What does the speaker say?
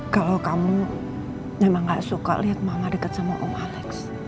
kalau kamu emang gak suka liat mama deket sama om alex